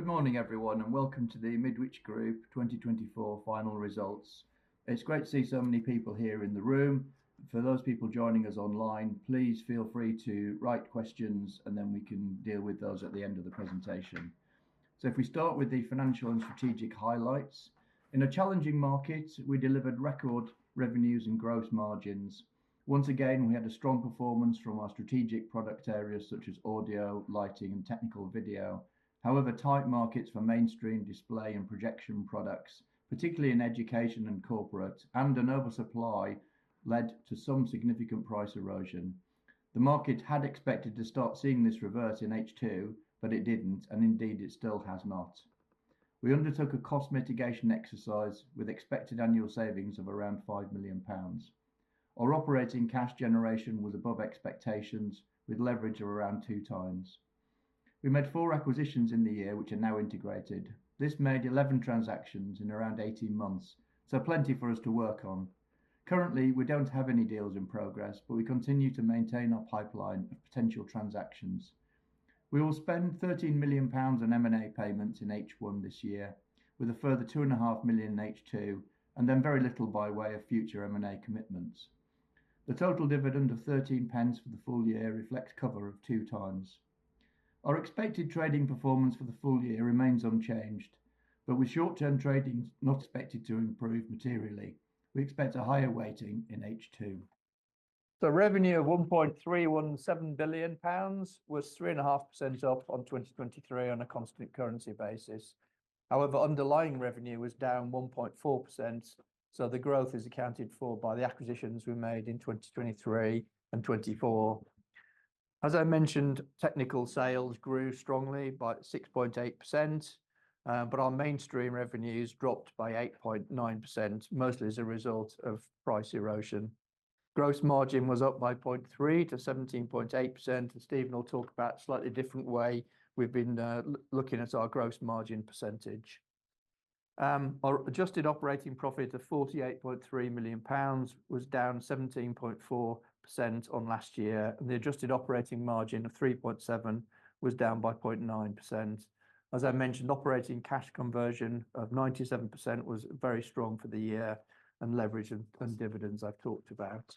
Good morning, everyone, and welcome to the Midwich Group 2024 final results. It's great to see so many people here in the room. For those people joining us online, please feel free to write questions, and then we can deal with those at the end of the presentation. If we start with the financial and strategic highlights. In a challenging market, we delivered record revenues and gross margins. Once again, we had a strong performance from our strategic product areas such as audio, lighting, and technical video. However, tight markets for mainstream display and projection products, particularly in education and corporate, and an oversupply led to some significant price erosion. The market had expected to start seeing this reverse in H2, but it didn't, and indeed it still has not. We undertook a cost mitigation exercise with expected annual savings of around 5 million pounds. Our operating cash generation was above expectations, with leverage of around 2x. We made 4 acquisitions in the year, which are now integrated. This made 11 transactions in around 18 months, so plenty for us to work on. Currently, we do not have any deals in progress, but we continue to maintain our pipeline of potential transactions. We will spend 13 million pounds on M&A payments in H1 this year, with a further 2.5 million in H2, and then very little by way of future M&A commitments. The total dividend of 13 million for the full year reflects cover of 2x. Our expected trading performance for the full year remains unchanged, but with short-term trading not expected to improve materially, we expect a higher weighting in H2. The revenue of 1.317 billion pounds was 3.5% up on 2023 on a constant currency basis. However, underlying revenue was down 1.4%, so the growth is accounted for by the acquisitions we made in 2023 and 2024. As I mentioned, technical sales grew strongly by 6.8%, but our mainstream revenues dropped by 8.9%, mostly as a result of price erosion. Gross margin was up by 0.3% to 17.8%, and Stephen will talk about a slightly different way we've been looking at our gross margin percentage. Our adjusted operating profit of 48.3 million pounds was down 17.4% on last year, and the adjusted operating margin of 3.7% was down by 0.9%. As I mentioned, operating cash conversion of 97% was very strong for the year, and leverage and dividends I've talked about.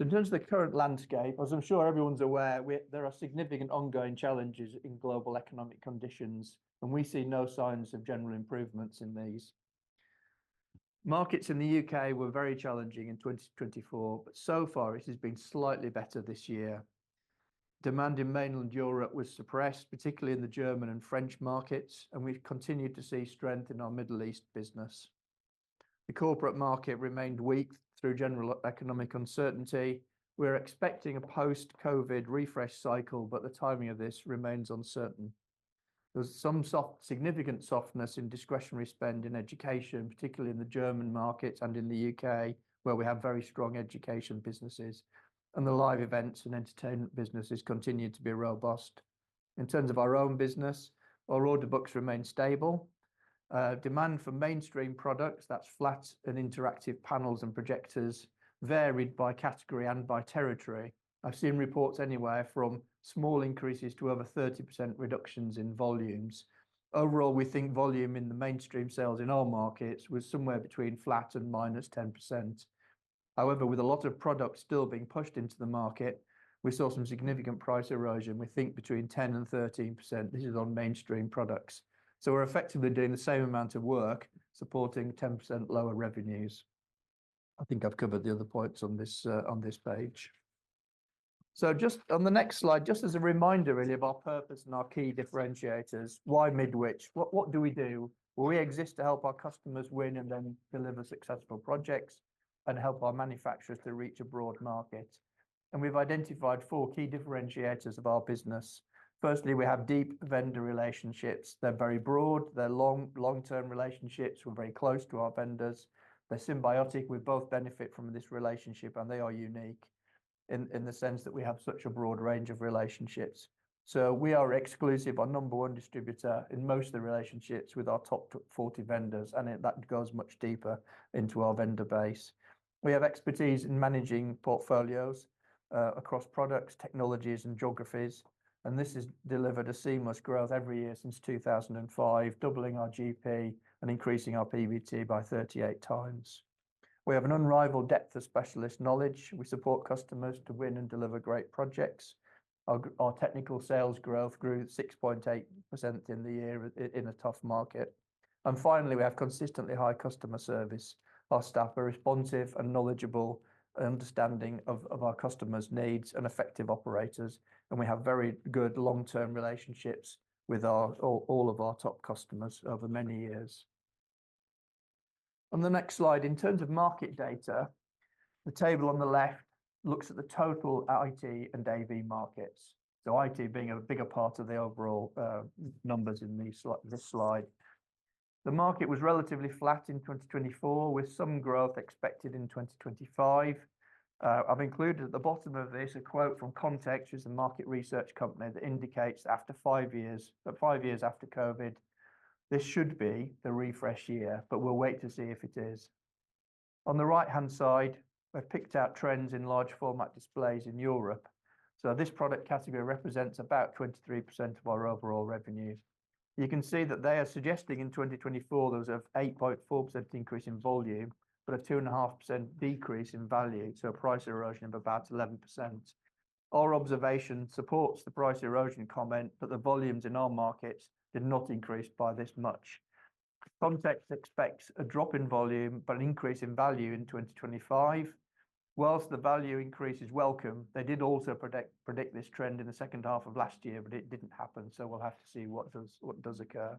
In terms of the current landscape, as I'm sure everyone's aware, there are significant ongoing challenges in global economic conditions, and we see no signs of general improvements in these. Markets in the U.K. were very challenging in 2024, but so far it has been slightly better this year. Demand in mainland Europe was suppressed, particularly in the German and French markets, and we've continued to see strength in our Middle East business. The corporate market remained weak through general economic uncertainty. We're expecting a post-COVID refresh cycle, but the timing of this remains uncertain. There's some significant softness in discretionary spend in education, particularly in the German market and in the U.K., where we have very strong education businesses, and the live events and entertainment businesses continue to be robust. In terms of our own business, our order books remain stable. Demand for mainstream products, that's flat and interactive panels and projectors, varied by category and by territory. I've seen reports anywhere from small increases to over 30% reductions in volumes. Overall, we think volume in the mainstream sales in our markets was somewhere between flat and -10%. However, with a lot of products still being pushed into the market, we saw some significant price erosion, we think between 10% and 13%. This is on mainstream products. So we're effectively doing the same amount of work, supporting 10% lower revenues. I think I've covered the other points on this page. Just on the next slide, just as a reminder really of our purpose and our key differentiators, why Midwich? What do we do? We exist to help our customers win and then deliver successful projects and help our manufacturers to reach a broad market. We have identified four key differentiators of our business. Firstly, we have deep vendor relationships. They are very broad. They are long-term relationships. We are very close to our vendors. They are symbiotic. We both benefit from this relationship, and they are unique in the sense that we have such a broad range of relationships. We are exclusive, our number one distributor in most of the relationships with our top 40 vendors, and that goes much deeper into our vendor base. We have expertise in managing portfolios across products, technologies, and geographies, and this has delivered seamless growth every year since 2005, doubling our GP and increasing our PBT by 38x. We have an unrivaled depth of specialist knowledge. We support customers to win and deliver great projects. Our technical sales growth grew 6.8% in the year in a tough market. Finally, we have consistently high customer service. Our staff are responsive and knowledgeable and understanding of our customers' needs and effective operators, and we have very good long-term relationships with all of our top customers over many years. On the next slide, in terms of market data, the table on the left looks at the total IT and AV markets. IT is a bigger part of the overall numbers in this slide. The market was relatively flat in 2024, with some growth expected in 2025. I have included at the bottom of this a quote from CONTEXT, which is a market research company that indicates that after five years, five years after COVID, this should be the refresh year, but we will wait to see if it is. On the right-hand side, I have picked out trends in large format displays in Europe. This product category represents about 23% of our overall revenues. You can see that they are suggesting in 2024 there was an 8.4% increase in volume, but a 2.5% decrease in value, so a price erosion of about 11%. Our observation supports the price erosion comment, but the volumes in our markets did not increase by this much. CONTEXT expects a drop in volume, but an increase in value in 2025. Whilst the value increase is welcome, they did also predict this trend in the second half of last year, but it did not happen, so we will have to see what does occur.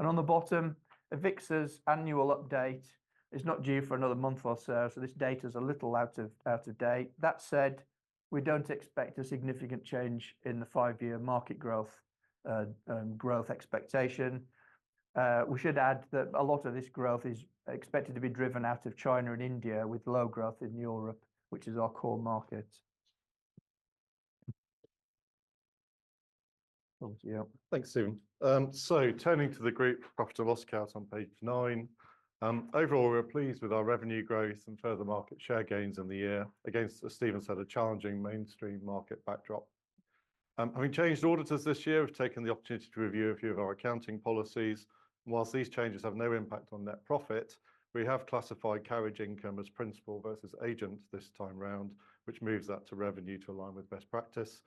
On the bottom, AVIXA's annual update is not due for another month or so, so this data is a little out of date. That said, we do not expect a significant change in the five-year market growth expectation. We should add that a lot of this growth is expected to be driven out of China and India, with low growth in Europe, which is our core market. Thanks, Stephen. Turning to the group profit and loss chart on page nine, overall, we're pleased with our revenue growth and further market share gains in the year, against, as Stephen said, a challenging mainstream market backdrop. Having changed auditors this year, we've taken the opportunity to review a few of our accounting policies. Whilst these changes have no impact on net profit, we have classified carriage income as principal versus agent this time round, which moves that to revenue to align with best practice.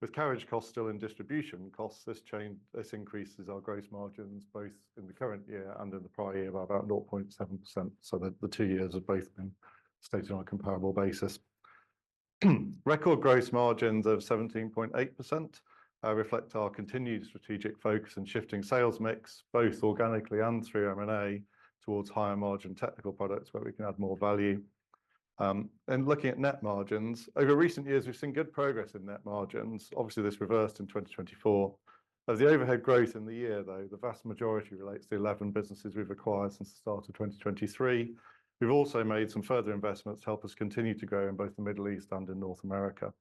With carriage costs still in distribution costs, this increases our gross margins both in the current year and in the prior year by about 0.7%. The two years have both been stayed on a comparable basis. Record gross margins of 17.8% reflect our continued strategic focus and shifting sales mix, both organically and through M&A towards higher margin technical products where we can add more value. Looking at net margins, over recent years, we've seen good progress in net margins. Obviously, this reversed in 2024. As the overhead growth in the year, though, the vast majority relates to 11 businesses we've acquired since the start of 2023. We've also made some further investments to help us continue to grow in both the Middle East and in North America.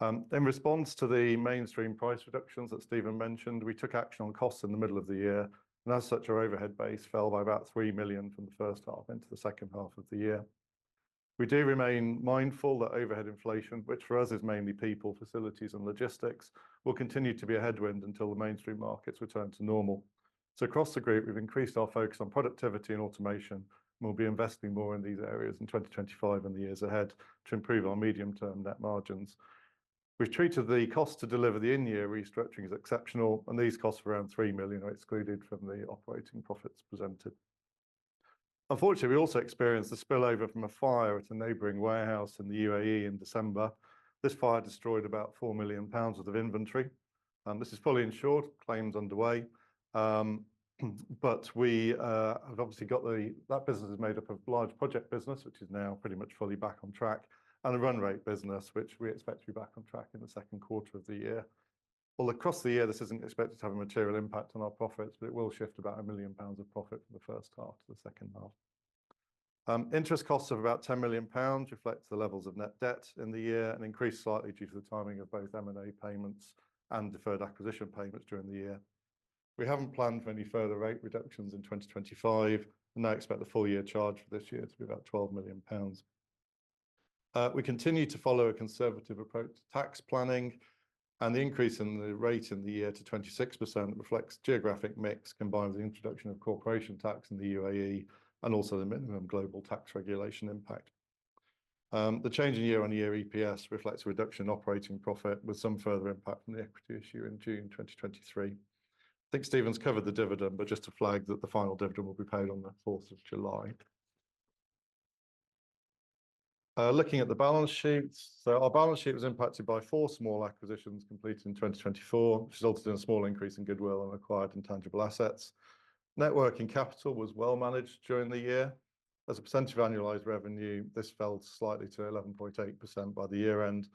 In response to the mainstream price reductions that Stephen mentioned, we took action on costs in the middle of the year, and as such, our overhead base fell by about 3 million from the first half into the second half of the year. We do remain mindful that overhead inflation, which for us is mainly people, facilities, and logistics, will continue to be a headwind until the mainstream markets return to normal. Across the group, we've increased our focus on productivity and automation, and we'll be investing more in these areas in 2025 and the years ahead to improve our medium-term net margins. We've treated the cost to deliver the in-year restructuring as exceptional, and these costs of around 3 million are excluded from the operating profits presented. Unfortunately, we also experienced the spillover from a fire at a neighboring warehouse in the UAE in December. This fire destroyed about 4 million pounds worth of inventory. This is fully insured, claims underway. We have obviously got that business is made up of large project business, which is now pretty much fully back on track, and a run rate business, which we expect to be back on track in the second quarter of the year. Across the year, this is not expected to have a material impact on our profits, but it will shift about 1 million pounds of profit from the first half to the second half. Interest costs of about 10 million pounds reflect the levels of net debt in the year and increased slightly due to the timing of both M&A payments and deferred acquisition payments during the year. We have not planned for any further rate reductions in 2025 and now expect the full year charge for this year to be about 12 million pounds. We continue to follow a conservative approach to tax planning, and the increase in the rate in the year to 26% reflects geographic mix combined with the introduction of corporation tax in the UAE and also the minimum global tax regulation impact. The change in year-on-year EPS reflects a reduction in operating profit with some further impact on the equity issue in June 2023. I think Stephen's covered the dividend, but just to flag that the final dividend will be paid on the 4th of July. Looking at the balance sheet, our balance sheet was impacted by four small acquisitions completed in 2024, which resulted in a small increase in goodwill and acquired intangible assets. Net working capital was well managed during the year. As a percentage of annualized revenue, this fell slightly to 11.8% by the year end.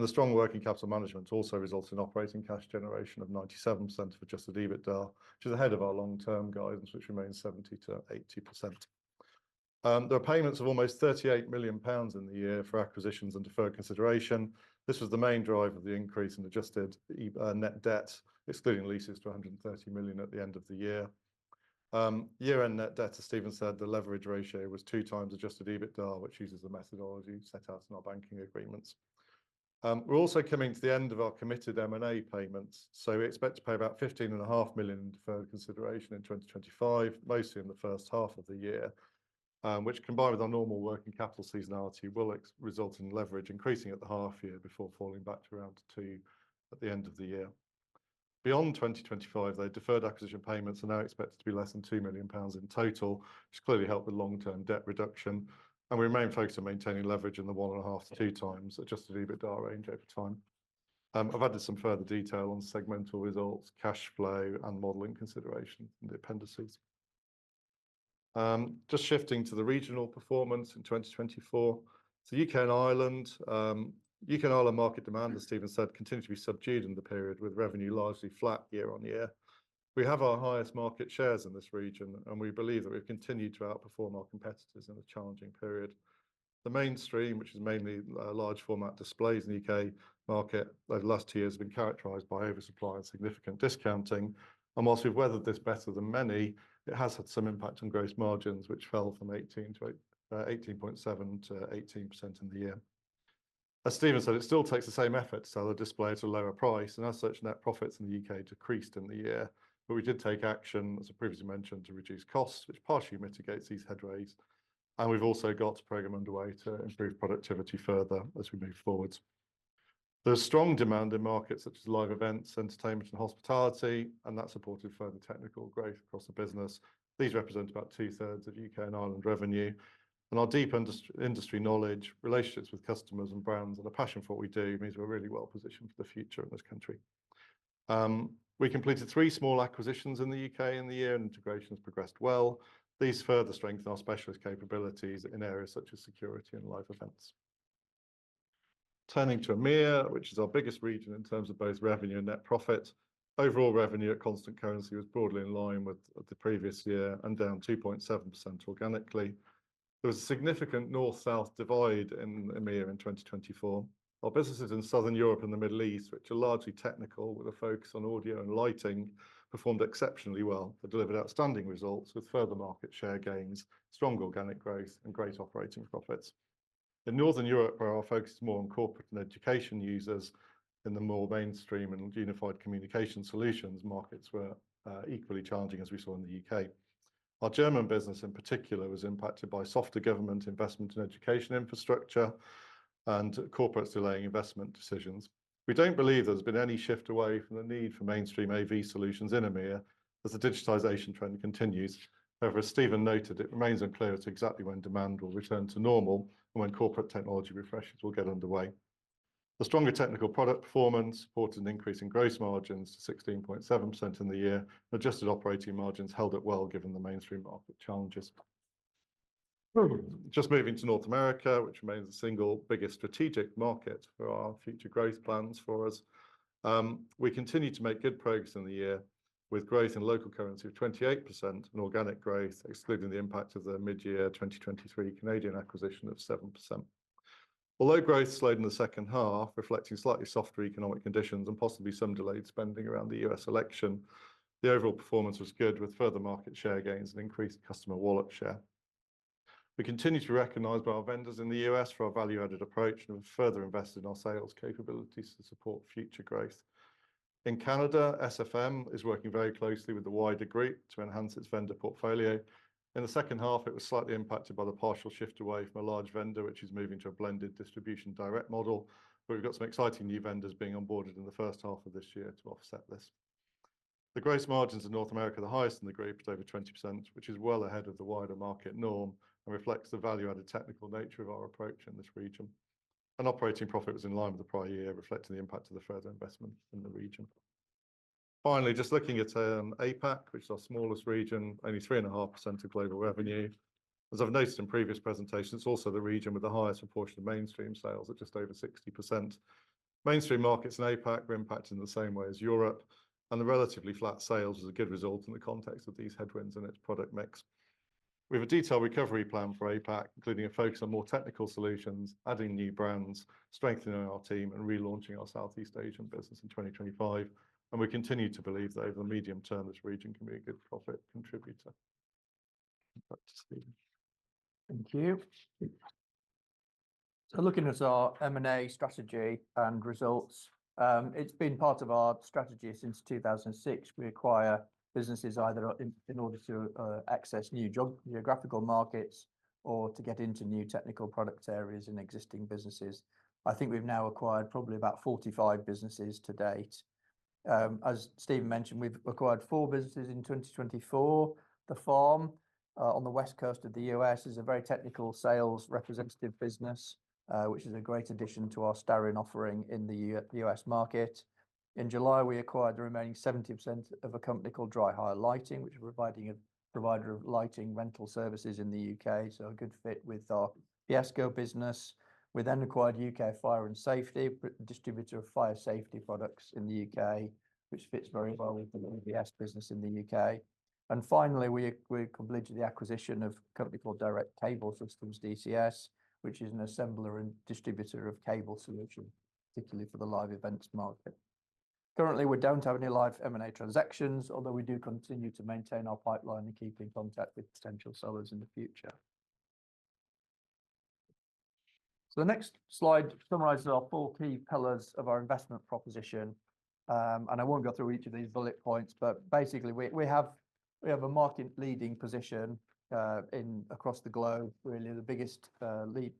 The strong working capital management also resulted in operating cash generation of 97% of adjusted EBITDA, which is ahead of our long-term guidance, which remains 70%-80%. There are payments of almost 38 million pounds in the year for acquisitions and deferred consideration. This was the main drive of the increase in adjusted net debt, excluding leases to 130 million at the end of the year. Year-end net debt, as Stephen said, the leverage ratio was 2x adjusted EBITDA, which uses the methodology set out in our banking agreements. We're also coming to the end of our committed M&A payments, so we expect to pay about 15.5 million in deferred consideration in 2025, mostly in the first half of the year, which combined with our normal working capital seasonality will result in leverage increasing at the half year before falling back to around two at the end of the year. Beyond 2025, though, deferred acquisition payments are now expected to be less than 2 million pounds in total, which clearly helped with long-term debt reduction, and we remain focused on maintaining leverage in the one and a half to two times adjusted EBITDA range over time. I've added some further detail on segmental results, cash flow, and modeling considerations and dependencies. Just shifting to the regional performance in 2024, U.K. and Ireland, U.K. and Ireland market demand, as Stephen said, continues to be subdued in the period with revenue largely flat year on year. We have our highest market shares in this region, and we believe that we've continued to outperform our competitors in a challenging period. The mainstream, which is mainly large format displays in the U.K. market, over the last two years has been characterized by oversupply and significant discounting. Whilst we've weathered this better than many, it has had some impact on gross margins, which fell from 18.7% to 18% in the year. As Stephen said, it still takes the same effort to sell a display at a lower price, and as such, net profits in the U.K. decreased in the year. We did take action, as I previously mentioned, to reduce costs, which partially mitigates these headwinds. We have also got a program underway to improve productivity further as we move forwards. There is strong demand in markets such as live events, entertainment, and hospitality, and that is supported further by technical growth across the business. These represent about two-thirds of U.K. and Ireland revenue. Our deep industry knowledge, relationships with customers and brands, and a passion for what we do means we are really well positioned for the future in this country. We completed three small acquisitions in the U.K. in the year, and integrations progressed well. These further strengthen our specialist capabilities in areas such as security and live events. Turning to EMEA, which is our biggest region in terms of both revenue and net profit, overall revenue at constant currency was broadly in line with the previous year and down 2.7% organically. There was a significant north-south divide in EMEA in 2024. Our businesses in southern Europe and the Middle East, which are largely technical with a focus on audio and lighting, performed exceptionally well. They delivered outstanding results with further market share gains, strong organic growth, and great operating profits. In northern Europe, where our focus is more on corporate and education users in the more mainstream and unified communication solutions, markets were equally challenging as we saw in the U.K. Our German business, in particular, was impacted by softer government investment in education infrastructure and corporates delaying investment decisions. We don't believe there's been any shift away from the need for mainstream AV solutions in EMEA as the digitization trend continues. However, as Stephen noted, it remains unclear exactly when demand will return to normal and when corporate technology refreshes will get underway. The stronger technical product performance supported an increase in gross margins to 16.7% in the year, and adjusted operating margins held up well given the mainstream market challenges. Just moving to North America, which remains the single biggest strategic market for our future growth plans for us, we continue to make good progress in the year with growth in local currency of 28% and organic growth, excluding the impact of the mid-year 2023 Canadian acquisition of 7%. Although growth slowed in the second half, reflecting slightly softer economic conditions and possibly some delayed spending around the U.S. election, the overall performance was good with further market share gains and increased customer wallet share. We continue to be recognized by our vendors in the U.S. for our value-added approach and have further invested in our sales capabilities to support future growth. In Canada, SFM is working very closely with the wider group to enhance its vendor portfolio. In the second half, it was slightly impacted by the partial shift away from a large vendor, which is moving to a blended distribution direct model, but we've got some exciting new vendors being onboarded in the first half of this year to offset this. The gross margins in North America are the highest in the group at over 20%, which is well ahead of the wider market norm and reflects the value-added technical nature of our approach in this region. Operating profit was in line with the prior year, reflecting the impact of the further investments in the region. Finally, just looking at APAC, which is our smallest region, only 3.5% of global revenue. As I've noticed in previous presentations, it's also the region with the highest proportion of mainstream sales at just over 60%. Mainstream markets in APAC were impacted in the same way as Europe, and the relatively flat sales was a good result in the context of these headwinds in its product mix. We have a detailed recovery plan for APAC, including a focus on more technical solutions, adding new brands, strengthening our team, and relaunching our Southeast Asian business in 2025. We continue to believe that over the medium term, this region can be a good profit contributor. Thank you. Looking at our M&A strategy and results, it has been part of our strategy since 2006. We acquire businesses either in order to access new geographical markets or to get into new technical product areas in existing businesses. I think we have now acquired probably about 45 businesses to date. As Stephen mentioned, we have acquired four businesses in 2024. The Farm on the west coast of the US is a very technical sales representative business, which is a great addition to our Starin offering in the US market. In July, we acquired the remaining 70% of a company called Dry Hire Lighting, which is a provider of lighting rental services in the U.K., so a good fit with our PSCo business. We then acquired UK Fire and Safety, a distributor of fire safety products in the U.K., which fits very well with the PSCo business in the U.K. Finally, we completed the acquisition of a company called Direct Cable Systems DCS, which is an assembler and distributor of cable solutions, particularly for the live events market. Currently, we do not have any live M&A transactions, although we do continue to maintain our pipeline and keep in contact with potential sellers in the future. The next slide summarizes our four key pillars of our investment proposition. I won't go through each of these bullet points, but basically, we have a market-leading position across the globe, really the biggest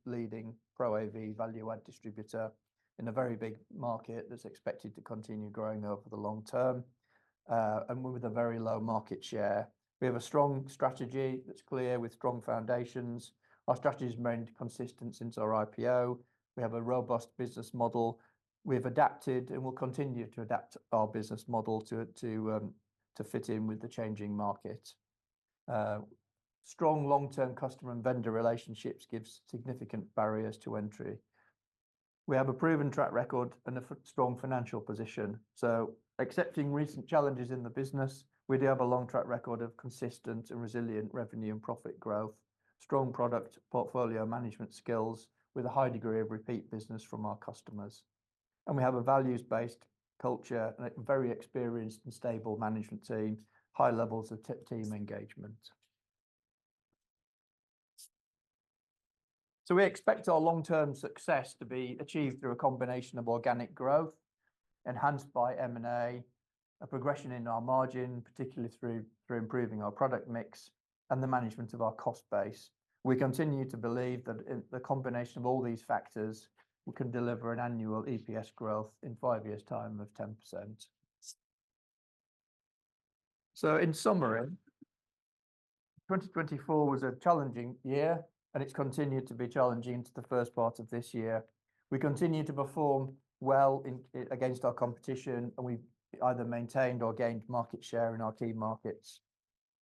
leading Pro AV value-add distributor in a very big market that's expected to continue growing over the long term. With a very low market share, we have a strong strategy that's clear with strong foundations. Our strategy has remained consistent since our IPO. We have a robust business model. We have adapted and will continue to adapt our business model to fit in with the changing markets. Strong long-term customer and vendor relationships give significant barriers to entry. We have a proven track record and a strong financial position. Accepting recent challenges in the business, we do have a long track record of consistent and resilient revenue and profit growth, strong product portfolio management skills with a high degree of repeat business from our customers. We have a values-based culture and a very experienced and stable management team, high levels of team engagement. We expect our long-term success to be achieved through a combination of organic growth enhanced by M&A, a progression in our margin, particularly through improving our product mix, and the management of our cost base. We continue to believe that with the combination of all these factors, we can deliver an annual EPS growth in five years' time of 10%. In summary, 2024 was a challenging year, and it has continued to be challenging into the first part of this year. We continue to perform well against our competition, and we either maintained or gained market share in our key markets.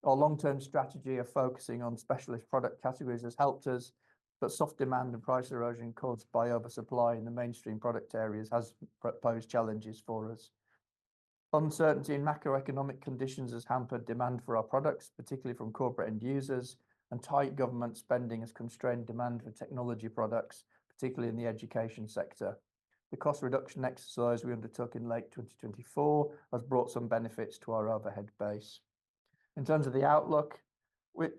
Our long-term strategy of focusing on specialist product categories has helped us, but soft demand and price erosion caused by oversupply in the mainstream product areas has posed challenges for us. Uncertainty in macroeconomic conditions has hampered demand for our products, particularly from corporate end users, and tight government spending has constrained demand for technology products, particularly in the education sector. The cost reduction exercise we undertook in late 2024 has brought some benefits to our overhead base. In terms of the outlook,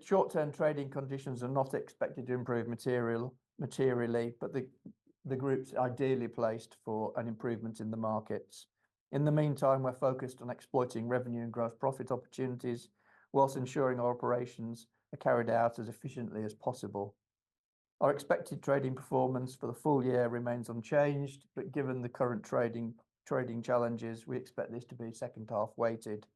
short-term trading conditions are not expected to improve materially, but the group is ideally placed for an improvement in the markets. In the meantime, we're focused on exploiting revenue and gross profit opportunities whilst ensuring our operations are carried out as efficiently as possible. Our expected trading performance for the full year remains unchanged, but given the current trading challenges, we expect this to be second half weighted.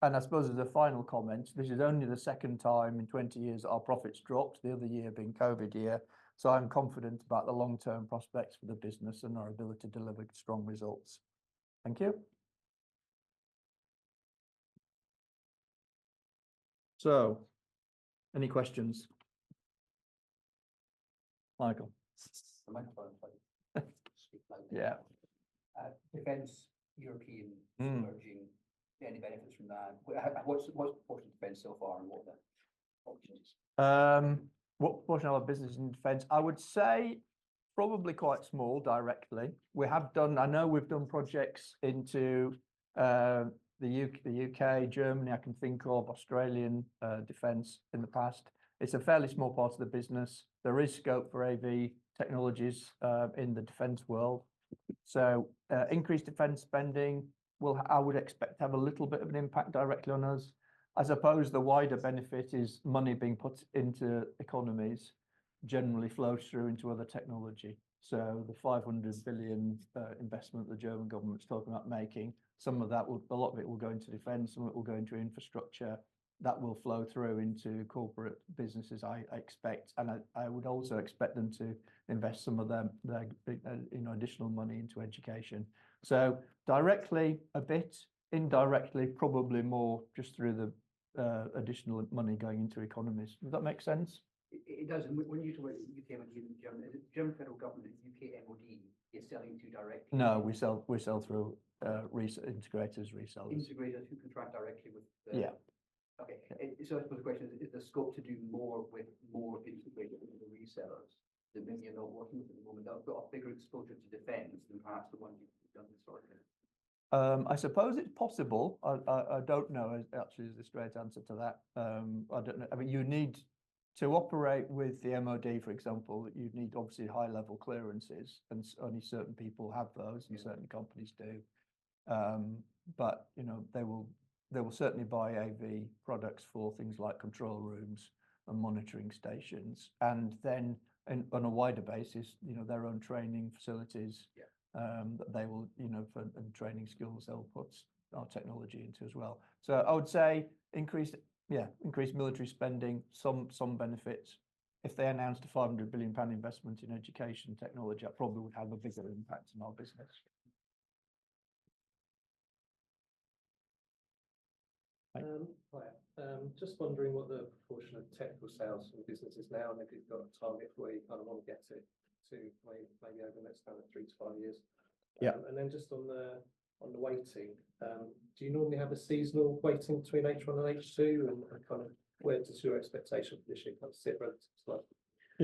I suppose as a final comment, this is only the second time in 20 years that our profits dropped, the other year being COVID year. I am confident about the long-term prospects for the business and our ability to deliver strong results. Thank you. Any questions? Michael. The microphone, please. Yeah. Defense, European, emerging, any benefits from that? What is the portion of defense so far and what are the opportunities? What portion of our business is in defense? I would say probably quite small directly. We have done, I know we have done projects into the U.K., Germany, I can think of, Australian defense in the past. It is a fairly small part of the business. There is scope for AV technologies in the defense world. Increased defense spending, I would expect to have a little bit of an impact directly on us. I suppose the wider benefit is money being put into economies generally flows through into other technology. The 500 billion investment the German government's talking about making, some of that will, a lot of it will go into defense, some of it will go into infrastructure. That will flow through into corporate businesses, I expect. I would also expect them to invest some of their additional money into education. Directly a bit, indirectly, probably more just through the additional money going into economies. Does that make sense? It does. When you talk about U.K. and Germany, is it German federal government and U.K. MoD you're selling to directly? No, we sell through integrators, resellers. Integrators who contract directly with the—yeah. Okay. I suppose the question is, is there scope to do more with more integrator resellers than maybe you're not working with at the moment? They've got a bigger exposure to defense than perhaps the ones you've done historically. I suppose it's possible. I don't know actually the straight answer to that. I don't know. I mean, you need to operate with the MoD, for example, you'd need obviously high-level clearances, and only certain people have those and certain companies do. They will certainly buy AV products for things like control rooms and monitoring stations. On a wider basis, their own training facilities that they will and training skills they'll put our technology into as well. I would say increased, yeah, increased military spending, some benefits. If they announced a 500 billion pound investment in education technology, I probably would have a bigger impact on our business. Just wondering what the proportion of technical sales from businesses now and if you've got a target where you kind of want to get to maybe over the next kind of three to five years. And then just on the weighting, do you normally have a seasonal weighting between H1 and H2 and kind of where does your expectation for this year kind of sit relative to that?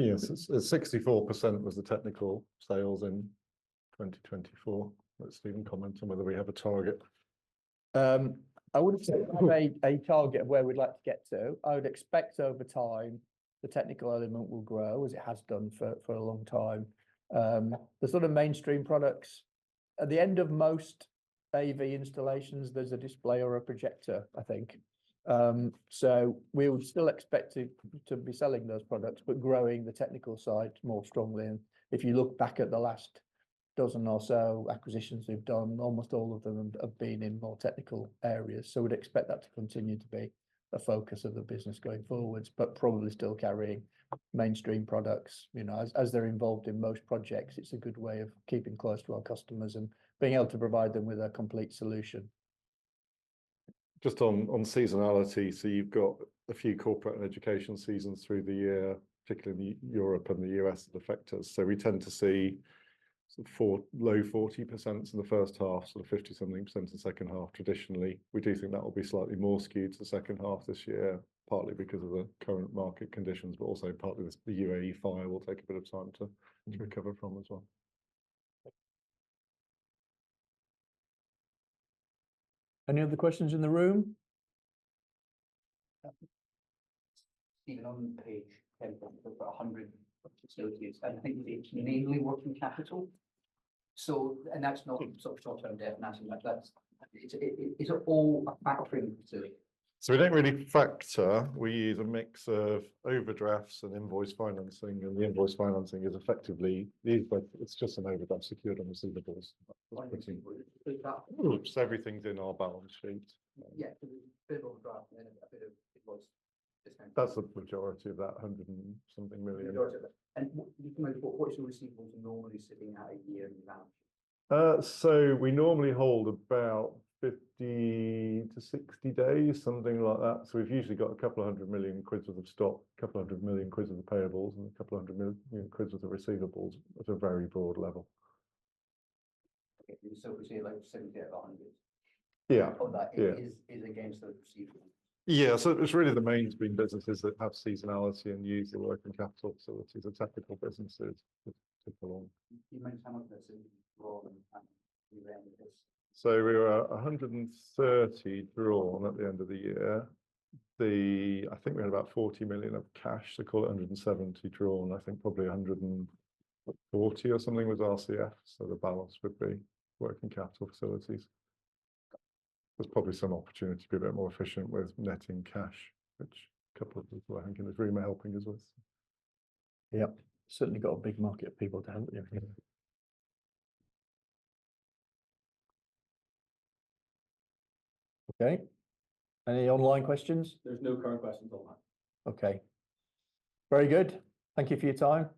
Yes, 64% was the technical sales in 2024. Let Stephen comment on whether we have a target. I wouldn't say a target of where we'd like to get to. I would expect over time the technical element will grow as it has done for a long time. The sort of mainstream products, at the end of most AV installations, there's a display or a projector, I think. We would still expect to be selling those products, but growing the technical side more strongly. If you look back at the last dozen or so acquisitions we've done, almost all of them have been in more technical areas. We would expect that to continue to be a focus of the business going forwards, but probably still carrying mainstream products. As they're involved in most projects, it's a good way of keeping close to our customers and being able to provide them with a complete solution. Just on seasonality, you've got a few corporate and education seasons through the year, particularly in Europe and the US that affect us. We tend to see low 40% in the first half, sort of 50-something percent in the second half traditionally. We do think that will be slightly more skewed to the second half this year, partly because of the current market conditions, but also partly the UAE fire will take a bit of time to recover from as well. Any other questions in the room? Stephen, on page 10, there's about 100 facilities, and I think it's mainly working capital. So, and that's not short-term debt, that's all a factoring facility. We don't really factor. We use a mix of overdrafts and invoice financing, and the invoice financing is effectively, it's just an overdraft secured on receivables. Everything's in our balance sheet. Yeah, so there's a bit of overdraft and then a bit of invoice discount. That's the majority of that, 100 and something million. What's your receivables normally sitting at a year in the balance sheet? We normally hold about 50 days-60 days, something like that. We've usually got a couple of hundred million GBP worth of stock, a couple of hundred million GBP worth of payables, and a couple of hundred million GBP worth of receivables at a very broad level. Between like 70-100, yeah, is against those receivables. Yeah, it's really the mainstream businesses that have seasonality and use the working capital facilities of technical businesses to perform. You mentioned how much that's in drawn at the end of this. We were 130 drawn at the end of the year. I think we had about 40 million of cash. They call it 170 drawn. I think probably 140 or something was RCF, so the balance would be working capital facilities. There's probably some opportunity to be a bit more efficient with netting cash, which a couple of people I think in the room are helping us with. Yep, certainly got a big market of people to help you. Okay. Any online questions? There's no current questions online. Okay. Very good. Thank you for your time.